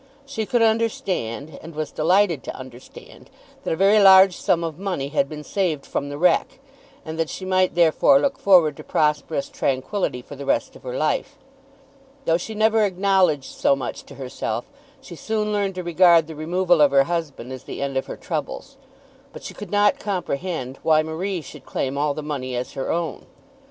She could understand, and was delighted to understand, that a very large sum of money had been saved from the wreck, and that she might therefore look forward to prosperous tranquillity for the rest of her life. Though she never acknowledged so much to herself, she soon learned to regard the removal of her husband as the end of her troubles. But she could not comprehend why Marie should claim all the money as her own.